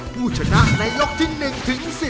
ผู้ชนะในยกที่๑ถึง๑๐